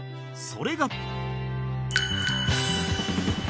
それが